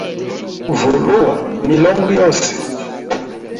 Vuluwa milongo yose.